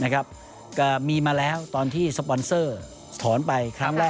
ก็มีมาแล้วตอนที่สปอนเซอร์ถอนไปครั้งแรก